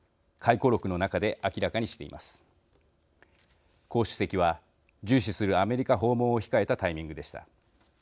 胡主席は重視するアメリカ訪問を控えたタイミングでした。